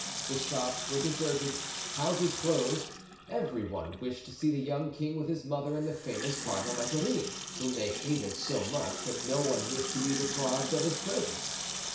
The shops were deserted, houses closed; every one wished to see the young king with his mother, and the famous Cardinal Mazarin whom they hated so much that no one wished to be deprived of his presence.